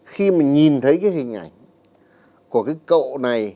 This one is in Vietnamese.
khi mà nhìn thấy cái hình ảnh của cái cậu này